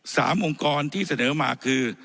องค์กรที่เสนอมาคือ